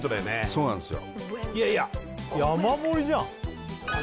そうなんですよ